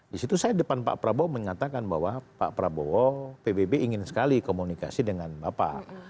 di situ saya depan pak prabowo menyatakan bahwa pak prabowo pbb ingin sekali komunikasi dengan bapak